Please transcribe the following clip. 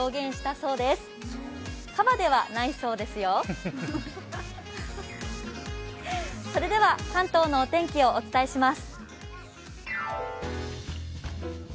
それでは関東のお天気をお伝えします。